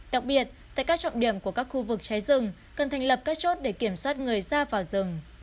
đặc biệt tại các trọng điểm của các khu vực cháy rừng cần thành lập các chốt để kiểm soát người ra vào rừng